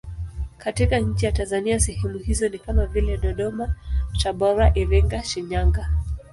Katika nchi ya Tanzania sehemu hizo ni kama vile Dodoma, Tabora, Iringa, Shinyanga.